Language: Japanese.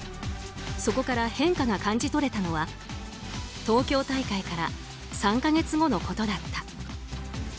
そこから変化が感じ取れたのは東京大会から３か月後のことだった。